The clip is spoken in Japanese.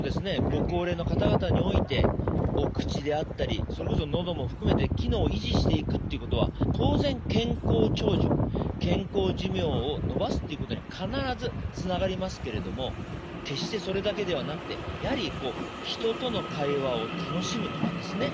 ご高齢の方々においてお口であったりそれこそのども含めて機能を維持していくっていうことは当然健康長寿健康寿命を延ばすっていうことに必ずつながりますけれども決してそれだけではなくてやはり人との会話を楽しむとかですね